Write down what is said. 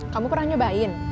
kamu pernah nyobain